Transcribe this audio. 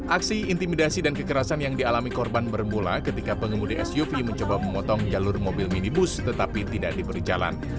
aksi intimidasi dan kekerasan yang dialami korban bermula ketika pengemudi suv mencoba memotong jalur mobil minibus tetapi tidak diberi jalan